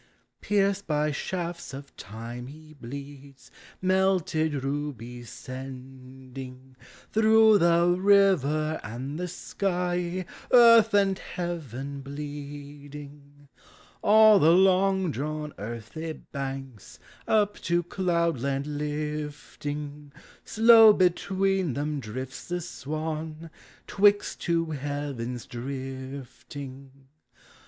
Pierced by shafts of Time he bleeds. Melted rubies sending Through the river and the sky, Earth and heaven bleeding; LIGHT: DAY: NIGHT. 51 All the long drawn earthy banks Up to cloud land lifting: Slow between them drifts the swan, Twixt two heavens drifting.